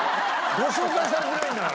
ご紹介されてないんだから。